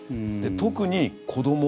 特に、子ども